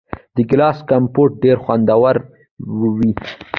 د ګیلاس کمپوټ ډیر خوندور وي.